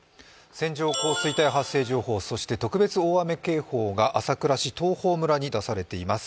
線状降水帯発生情報、そして特別大雨警報が朝倉市、東峰村に出されています。